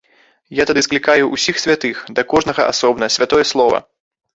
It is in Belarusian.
Я тады склікаю ўсіх святых, да кожнага асобна святое слова.